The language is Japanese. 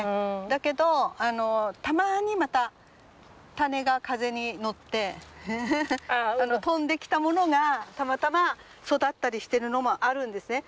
だけどたまに種が風に乗って飛んできたものがたまたま育ったりしてるのもあるんですね。